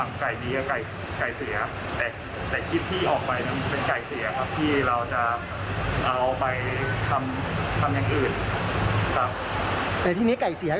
ในที่นี้ไก่เสียคือว่าไม่ใช่บูดไม่ใช่เน่า